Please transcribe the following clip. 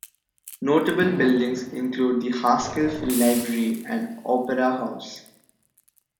Notable buildings include the Haskell Free Library and Opera House.